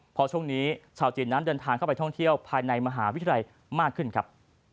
พอช่วงนี้ชาวจีนนั้นเดินทางเข้าไปท่องเที่ยวภายในมหาวิทยาลัยมากขึ้นครับ